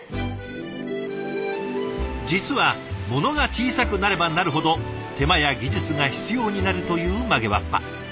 実はものが小さくなればなるほど手間や技術が必要になるという曲げわっぱ。